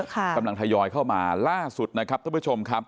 กำลังถยอยเข้ามาล่าสุดนะครับเจ้าเพื่อชม